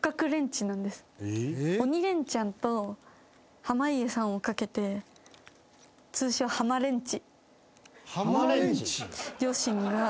『鬼レンチャン』と濱家さんをかけて通称濱レンチ。